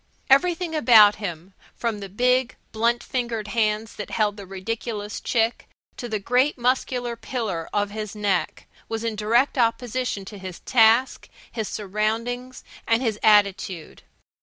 Everything about him, from the big, blunt fingered hands that held the ridiculous chick to the great muscular pillar of his neck, was in direct opposition to his task, his surroundings, and his attitude.